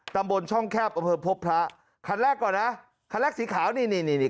ตำบลช่องแคบอำเภอพบพระคันแรกก่อนนะคันแรกสีขาวนี่นี่นี่